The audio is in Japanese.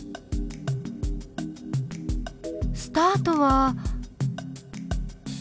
スタートは。